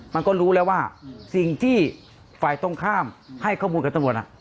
มันรู้แล้วว่าฝ่ายต้องข้ามให้ข้อมูลกับตำรวจ